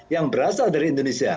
yang berasal dari indonesia